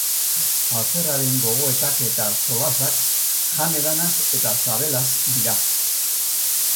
Alferraren gogoetak eta solasak jan-edanaz eta sabelaz dira.